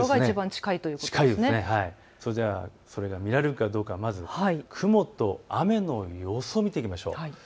それではそれが見られるかどうか、雲と雨の予想を見ていきましょう。